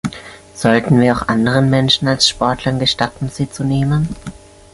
Sollten wir auch anderen Menschen als Sportlern gestatten, sie zu nehmen?